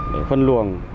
để phân luồng